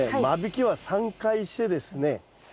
間引きは３回してですね